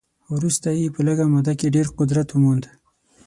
وروسته یې په لږه موده کې ډېر قدرت وموند.